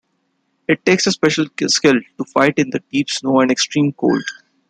It takes a special skill to fight in the deep snow and extreme cold.